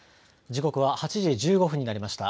時刻は８時１５分になりました。